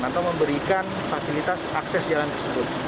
atau memberikan fasilitas akses jalan tersebut